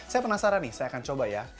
saya penasaran nih saya akan coba ya